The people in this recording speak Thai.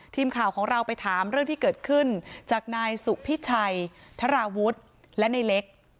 ทีมข่าวของเราไปถามเรื่องที่เกิดขึ้นจากนายสุพิชัยธราวุฒิและในเล็ก